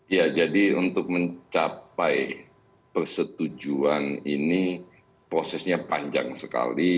ya jadi untuk mencapai persetujuan ini prosesnya panjang sekali